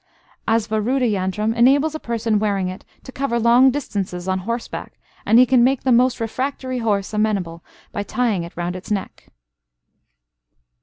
Asvaruda yantram enables a person wearing it to cover long distances on horseback, and he can make the most refractory horse amenable by tying it round its neck.